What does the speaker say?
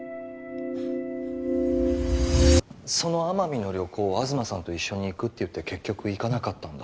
その奄美の旅行東さんと一緒に行くっていって結局行かなかったんだ